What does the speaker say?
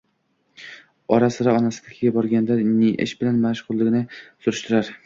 Ora- sira onasinikiga borgan-da, neish bilan mashg'ulligini surishtirar